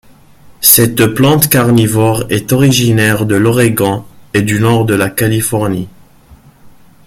Cette plante carnivore est originaire de l'Oregon et du nord de la Californie.